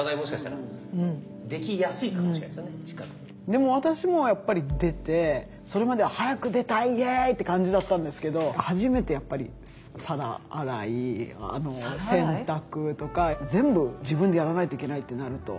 でも私もやっぱり出てそれまでは「早く出たいイエイ！」って感じだったんですけど初めてやっぱり皿洗い洗濯とか全部自分でやらないといけないってなると。